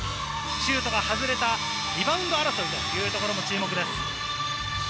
シュートが外れたリバウンド争いというところも注目です。